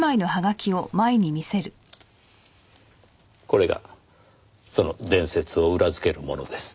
これがその伝説を裏づけるものです。